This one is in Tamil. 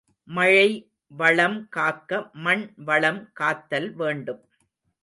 மழை வளம் காக்க மண் வளம் காத்தல் வேண்டும்.